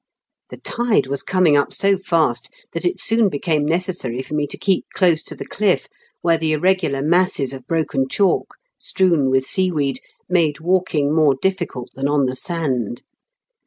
The tide was coming up so fast that it soon became necessary for me to keep close to the cliflf, where the irregular masses of broken chalk, strewn with seaweed, made walking more difficult than on the sand.